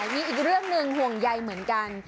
มีอีกเรื่องหนึ่งห่วงใยเหมือนกัน